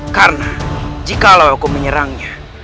karena jikalau aku menyerangnya